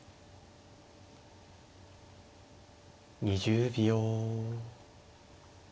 ２０秒。